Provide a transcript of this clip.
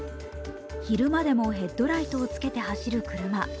昼間でもヘッドライトをつけて走る車。